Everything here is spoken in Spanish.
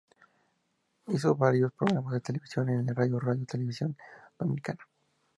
Hizo varios programas de televisión en el canal Radio Televisión Dominicana.